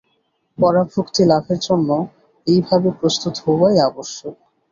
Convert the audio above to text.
পরাভক্তি-লাভের জন্য এইভাবে প্রস্তুত হওয়াই আবশ্যক।